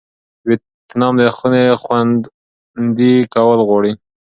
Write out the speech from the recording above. ویتنام د ونو خوندي کول غواړي.